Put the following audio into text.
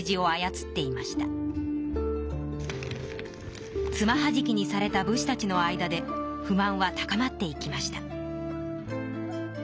つまはじきにされた武士たちの間で不満は高まっていきました。